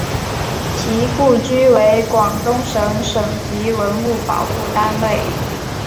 其故居为广东省省级文物保护单位。